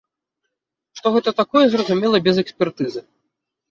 Што гэта такое, зразумела без экспертызы.